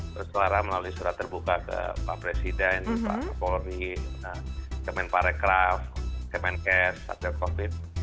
bersuara melalui surat terbuka ke pak presiden pak polri kemen parekraf kemenkes satel covid